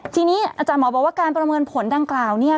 ทีนี้อาจารย์หมอบอกว่าการประเมินผลดังกล่าวเนี่ย